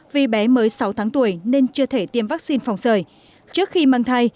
vì bé mới sáu tháng tuổi nên chưa thể tiêm vaccine phòng sởi trước khi mang thai